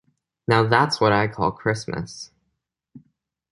Now That's What I Call Christmas!